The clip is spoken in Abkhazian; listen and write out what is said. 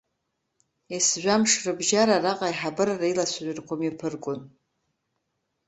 Есжәамш рыбжьара араҟа аиҳабыра реилацәажәарақәа мҩаԥыргон.